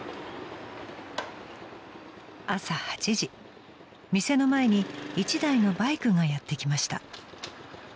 ［店の前に１台のバイクがやって来ました］